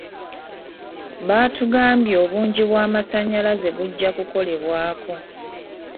Baatugambye obungi bw'amasannyalaze bujja kukolebwako.